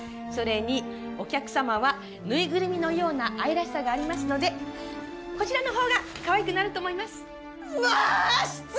それにお客さまは縫いぐるみのような愛らしさがありますのでこちらの方がかわいくなると思います。